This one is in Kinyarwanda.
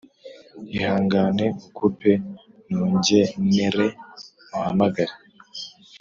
Ihangane ukupe nongenre nkuhamagare